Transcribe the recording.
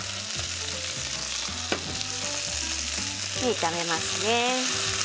炒めますね。